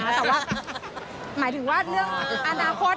แต่ว่าหมายถึงว่าเรื่องอนาคต